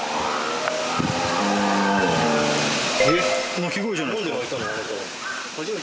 鳴き声じゃないですか？